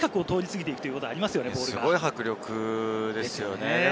すごい迫力ですよね。